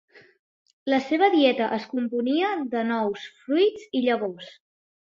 La seva dieta es componia de nous, fruits i llavors.